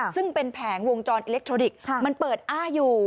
ซึ่งเป็นแผงวงจรอิเล็กทรอนิกส์มันเปิดอ้าอยู่